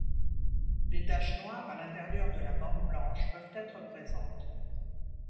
Des taches noires à l'intérieur de la bande blanche peuvent être présentes.